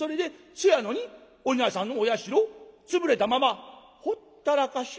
そやのにお稲荷さんのお社潰れたままほったらかし？